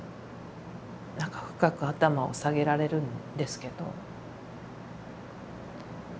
何か深く頭を下げられるんですけど。